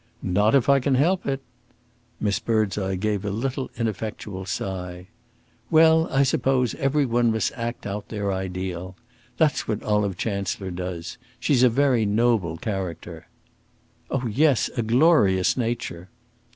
"Not if I can help it!" Miss Birdseye gave a little ineffectual sigh. "Well, I suppose every one must act out their ideal. That's what Olive Chancellor does. She's a very noble character." "Oh yes, a glorious nature."